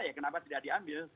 ya kenapa tidak diambil